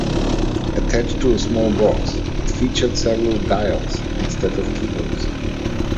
Attached to a small box, it featured several dials instead of keyholes.